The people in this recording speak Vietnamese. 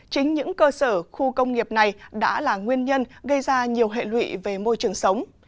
chính những cơ sở khu công nghiệp này đã là nguyên nhân gây ra nhiều hệ lụy về môi trường sống